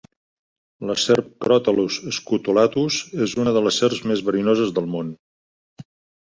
La serp Crotalus scutulatus és una de les serps més verinoses del món.